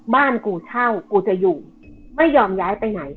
บ้านกูเช่ากูจะอยู่ไม่ยอมย้ายไปไหน